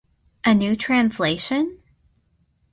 A New Translation?